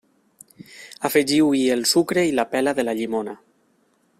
Afegiu-hi el sucre i la pela de la llimona.